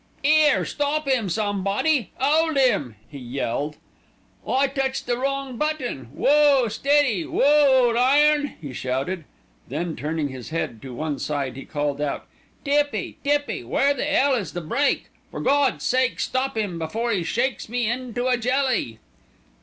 "'Ere, stop 'im, somebody! 'Old 'im!" he yelled. "I touched the wrong button. Whoa, steady, whoa, ole iron!" he shouted. Then turning his head to one side he called out: "Tippy, Tippy, where the 'ell is the brake? For Gawd's sake stop 'im before 'e shakes me into a jelly!"